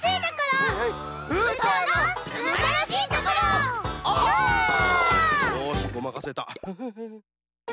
よしごまかせた。